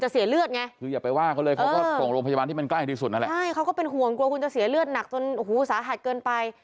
ใช่เขาก็เป็นห่วงกลัวคุณจะเสียเลือดหนักจนหูสาหัดเกินไป